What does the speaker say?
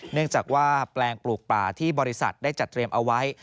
เนื่องจากว่าแปลงปลูกป่าที่บริษัทได้จัดเตรียมเอาไว้